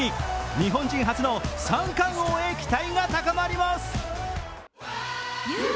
日本人初の三冠王へ期待が高まります。